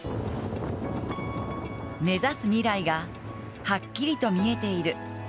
目指す未来がはっきりと見えている。